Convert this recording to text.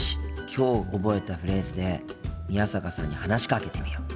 きょう覚えたフレーズで宮坂さんに話しかけてみよう。